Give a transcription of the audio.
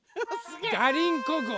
ガリンコ号。